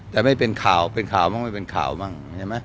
แต่ไม่เป็นข่าวเป็นข่าวมั้งไม่เป็นข่าวมั้ง